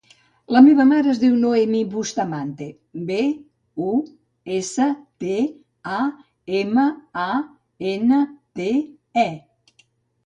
La meva mare es diu Noemí Bustamante: be, u, essa, te, a, ema, a, ena, te, e.